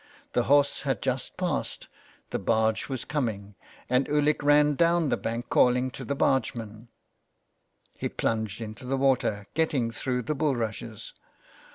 The horse had just passed, the barge was coming, and Ulick ran down the bank calling to the bargeman. He plunged into the water, getting through the bulrushes.